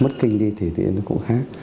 mất kinh đi thì nó cũng khác